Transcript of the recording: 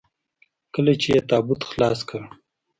کله چې يې تابوت خلاص کړ.